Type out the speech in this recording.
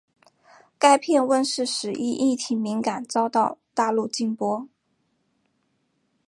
该片问世时因议题敏感遭到大陆禁播。